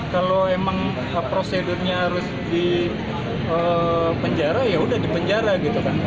kalau prosedurnya harus di penjara ya sudah di penjara